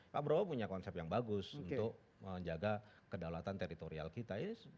pak prabowo punya konsep yang bagus untuk menjaga kedaulatan teritorial kita